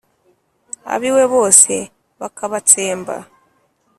abiwe bose bakabatsemba